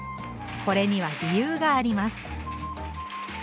これには理由があります。